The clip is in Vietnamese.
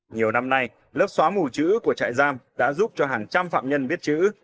nhiều năm nay lớp xóa mù chữ của trại giam đã giúp cho hàng trăm phạm nhân biết chữ